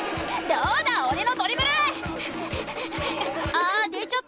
あっ出ちゃった。